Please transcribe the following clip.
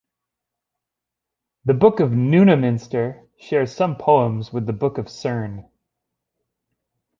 The Book of Nunnaminster shares some poems with the Book of Cerne.